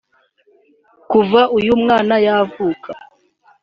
Kuva uyu mwana yavuka